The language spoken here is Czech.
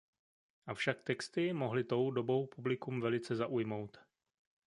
Avšak texty mohly tou dobou publikum velice zaujmout.